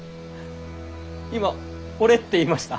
今「俺」って言いました？